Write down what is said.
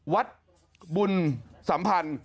วัดบุญสัมพันธ์